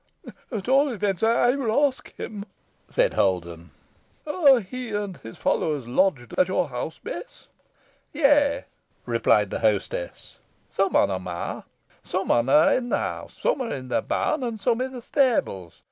"At all events, I will ask him," said Holden. "Are he and his followers lodged at your house, Bess?" "Yeigh," replied the hostess, "some on 'en are i' th' house, some i' th' barn, an some i' th' stables.